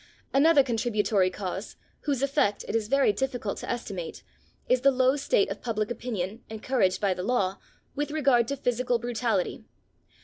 Another contributory cause, whose effect it is very difficult to estimate, is the low state of public opinion, encouraged by the law, with regard to physical brutality.